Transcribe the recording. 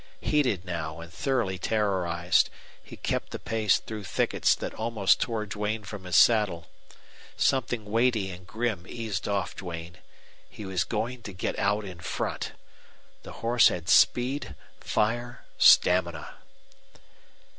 Heated now and thoroughly terrorized, he kept the pace through thickets that almost tore Duane from his saddle. Something weighty and grim eased off Duane. He was going to get out in front! The horse had speed, fire, stamina.